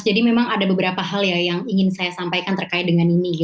jadi memang ada beberapa hal yang ingin saya sampaikan terkait dengan ini